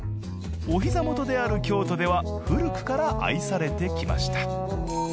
お膝もとである京都では古くから愛されてきました。